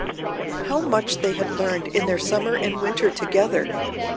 How much they had learned in their summer and winter together!